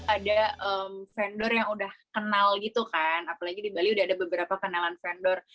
ada vendor yang udah kenal gitu kan apalagi di bali udah ada beberapa kenalan vendor